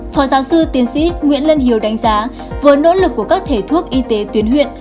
phó giáo sư tiến sĩ nguyễn lân hiếu đánh giá với nỗ lực của các thể thuốc y tế tuyến huyện